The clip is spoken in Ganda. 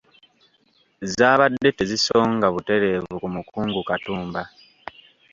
Zaabadde tezisonga butereevu ku mukungu Katumba.